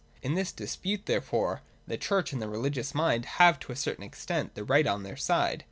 In this dispute therefore the Church and the rehgious mind have to a certain extent the right on their side.